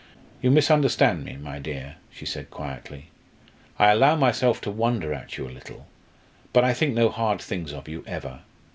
"You misunderstand me, my dear," she said quietly. "I allow myself to wonder at you a little, but I think no hard things of you ever.